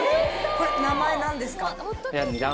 これ名前何ですか？